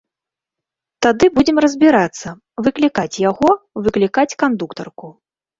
Тады будзем разбірацца, выклікаць яго, выклікаць кандуктарку.